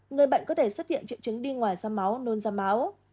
người bệnh có thể xuất hiện triệu chứng đi ngoài da máu nôn da máu